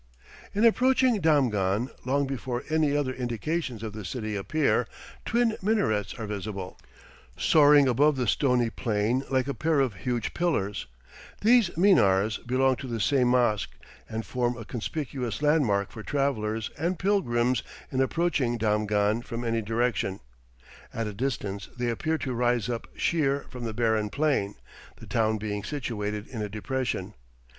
In approaching Damghan, long before any other indications of the city appear, twin minarets are visible, soaring above the stony plain like a pair of huge pillars; these minars belong to the same mosque, and form a conspicuous landmark for travellers and pilgrims in approaching Damghan from any direction; at a distance they appear to rise up sheer from the barren plain, the town being situated in a depression.